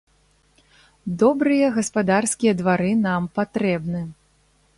Добрыя гаспадарскія двары нам патрэбны!